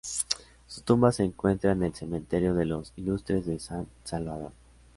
Su tumba se encuentra en el Cementerio de Los Ilustres de San Salvador.